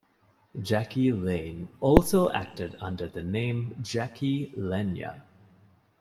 Jackie Lane also acted under the name "Jackie Lenya".